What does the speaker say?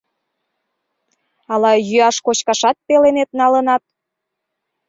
Ала йӱаш-кочкашат пеленет налынат?